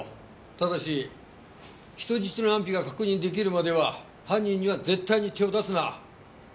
ただし人質の安否が確認出来るまでは犯人には絶対に手を出すな！